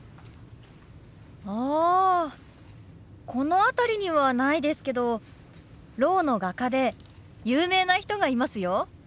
あこの辺りにはないですけどろうの画家で有名な人がいますよ。